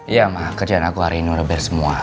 iya ma kerjaan aku hari ini udah beres semua